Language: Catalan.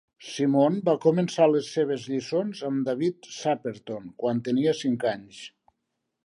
Simon va començar les seves lliçons amb David Saperton quan tenia cinc anys.